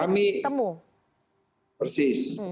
ya jadi kami